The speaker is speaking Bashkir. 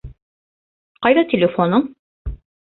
Ҡайҙа телефоның?